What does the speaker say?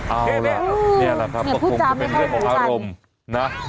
เอาล่ะนี่แหละครับก็คงจะเป็นเรื่องของอารมณ์นะ